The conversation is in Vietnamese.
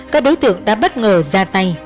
các đối tượng đã bất ngờ ra tay